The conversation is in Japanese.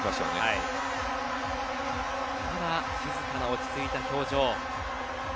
まだ静かな落ち着いた表情。